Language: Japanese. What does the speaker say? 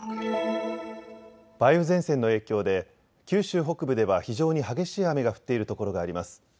梅雨前線の影響で九州北部では非常に激しい雨が降っているところがあります。